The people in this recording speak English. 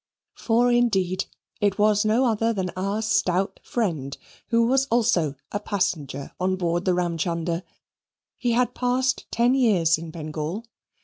For indeed it was no other than our stout friend who was also a passenger on board the Ramchunder. He had passed ten years in Bengal.